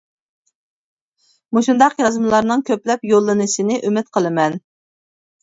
مۇشۇنداق يازمىلارنىڭ كۆپلەپ يوللىنىشىنى ئۈمىد قىلىمەن.